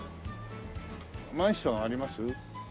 マンションあります？